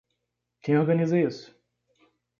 Quem organiza isso?